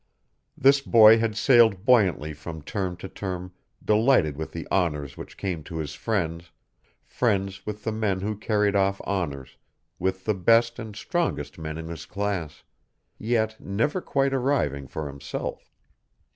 This boy had sailed buoyantly from term to term delighted with the honors which came to his friends, friends with the men who carried off honors, with the best and strongest men in his class, yet never quite arriving for himself.